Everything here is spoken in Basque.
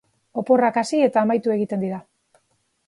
Oporrak hasi eta amaitu egiten dira.